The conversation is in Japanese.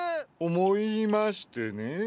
思いましてね。